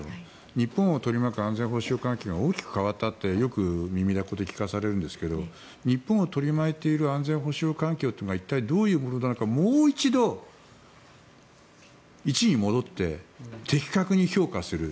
日本を取り巻く安全保障環境が大きく変わってよく耳だこで聞かされますが日本を取り巻いている安全保障環境は一体どういうものなのかもう一度、一に戻って的確に評価する。